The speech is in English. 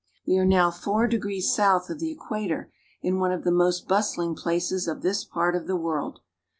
We are now four degrees south of the equator, in one of the most bustling places of this part of the world.